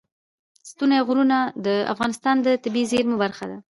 ستوني غرونه د افغانستان د طبیعي زیرمو برخه ده.